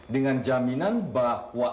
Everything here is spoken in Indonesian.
dengan jaminan bahwa